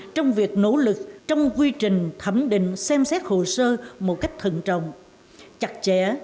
trong việc nỗ lực trong quy trình thẩm định xem xét hồ sơ một cách thận trọng chặt chẽ